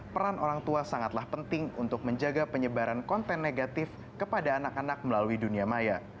peran orang tua sangatlah penting untuk menjaga penyebaran konten negatif kepada anak anak melalui dunia maya